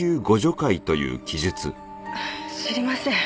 知りません。